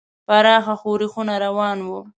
پراخ ښورښونه روان وو.